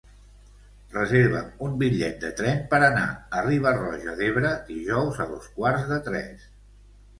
Reserva'm un bitllet de tren per anar a Riba-roja d'Ebre dijous a dos quarts de tres.